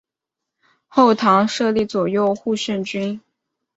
后唐设立左右护圣军。